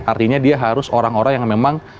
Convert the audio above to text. artinya dia harus orang orang yang memang